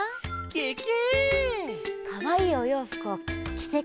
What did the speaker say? ケケ。